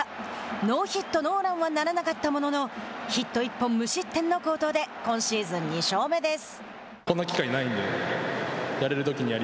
ノーヒットノーランはならなかったもののヒット１本、無失点の好投で今シーズン２勝目です。